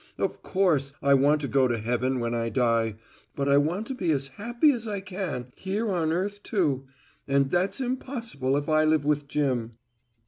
Of course, I want to go to Heaven when I die, but I want to be as happy as I can here on earth, too. And that's impossible if I live with Jim."